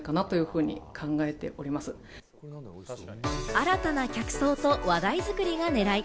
新たな客層と話題作りが狙い。